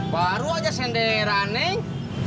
baru aja sendera neng